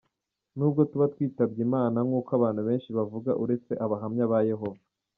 Ntabwo tuba twitabye imana nkuko abantu benshi bavuga uretse Abahamya ba Yehova.